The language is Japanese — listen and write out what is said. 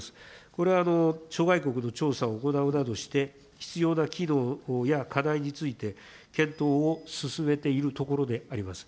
これは諸外国の調査を行うなどして必要な機能や課題について、検討を進めているところであります。